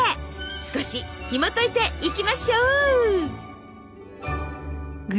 少しひもといていきましょう！